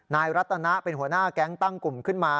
รัตนะเป็นหัวหน้าแก๊งตั้งกลุ่มขึ้นมา